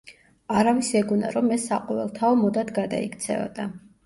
არავის ეგონა, რომ ეს საყოველთაო მოდად გადაიქცეოდა.